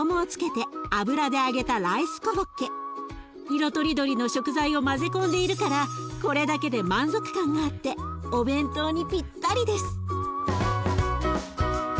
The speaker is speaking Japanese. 色とりどりの食材を混ぜ込んでいるからこれだけで満足感があってお弁当にぴったりです。